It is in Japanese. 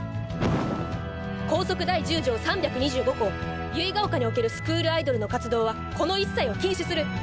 校則第１０条３２５項結ヶ丘におけるスクールアイドルの活動はこの一切を禁止する！